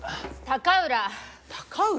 高浦！